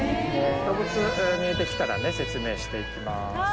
動物見えてきたらね説明していきます。